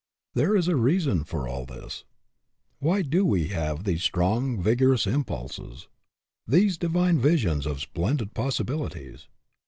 There is a reason for all this. Why do we have these strong, vigorous impulses; these divine visions of splendid possibilities?